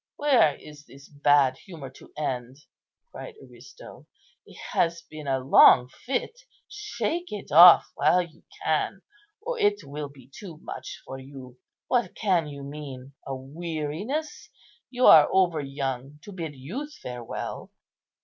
Where is this bad humour to end?" cried Aristo; "it has been a long fit; shake it off while you can, or it will be too much for you. What can you mean? a weariness! You are over young to bid youth farewell.